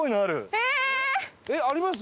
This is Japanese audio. えっあります？